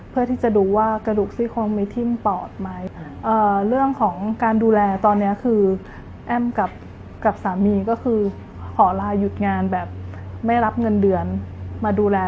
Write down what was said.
เรื่องของการดูแลตอนนี้คือแอ้มกับสามีก็คือขอลาหยุดงานแบบไม่รับเงินเดือนมาดูแล